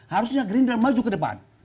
harusnya gerindra maju ke depan